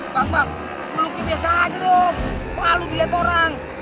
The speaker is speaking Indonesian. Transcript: bang bang melukai biasa aja dong malu lihat orang